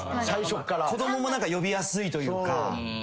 子供も呼びやすいというか。